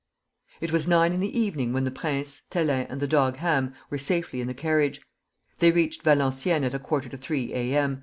It was nine in the evening when the prince, Thélin, and the dog Ham were safely in the carriage. They reached Valenciennes at a quarter to three A. M.